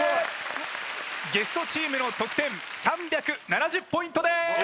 ゲストチームの得点３７０ポイントです。